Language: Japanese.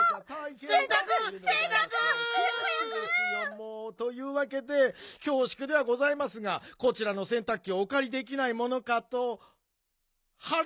せんたくせんたく！早く早く！というわけできょうしゅくではございますがこちらのせんたくきをおかりできないものかとはれ？